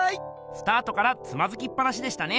スタートからつまずきっぱなしでしたね。